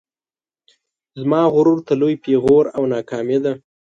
زما غرور ته لوی پیغور او ناکامي ده